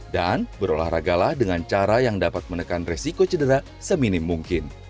dan berolahragalah dengan cara yang dapat menekan resiko cedera seminim mungkin